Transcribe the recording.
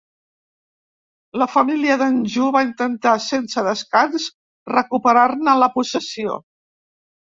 La família d'Anjou va intentar sense descans recuperar-ne la possessió.